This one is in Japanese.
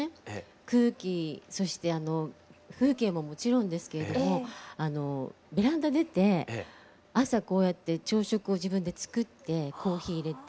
空気そして風景ももちろんですけれどもベランダ出て朝こうやって朝食を自分で作ってコーヒーいれて。